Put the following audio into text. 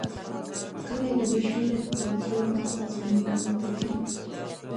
کله یې د بېشمیره توطیو په اساس پر نورو ورتپي.